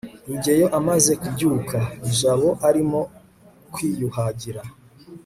rugeyo amaze kubyuka, jabo arimo kwiyuhagira